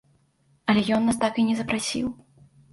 Але ён нас так і не запрасіў.